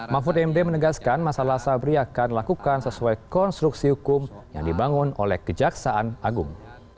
mahfud md menegaskan masalah sabri akan dilakukan sesuai konstruksi hukum yang dibangun oleh kejaksaan agung